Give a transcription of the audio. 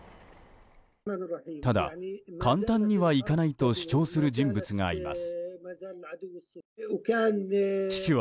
ただ、簡単にはいかないと主張する人物がいます。